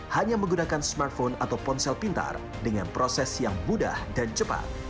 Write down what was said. hanya menggunakan smartphone atau ponsel pintar dengan proses yang mudah dan cepat